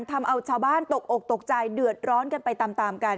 ทำเอาชาวบ้านตกอกตกใจเดือดร้อนกันไปตามกัน